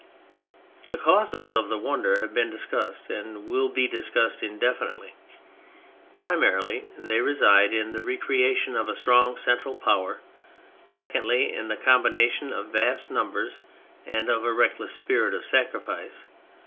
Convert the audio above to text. The causes of the wonder have been dis cussed, and will be discussed indefinitely. Primarily, they resided in the re creation of a strong central power; secondly, in the combin ation of vast numbers and of a reckless spirit of sacrifice.